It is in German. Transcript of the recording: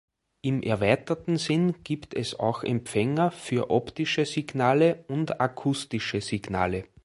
Im erweiterten Sinn gibt es auch Empfänger für optische Signale und akustische Signale.